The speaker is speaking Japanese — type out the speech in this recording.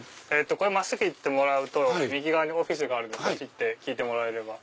これ真っすぐ行ってもらうと右側にオフィスがあるのでそっちで聞いてもらえれば。